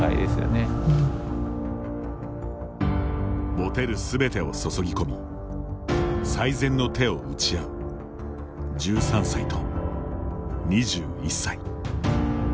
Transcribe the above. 持てるすべてを注ぎ込み最善の手を打ち合う１３歳と２１歳。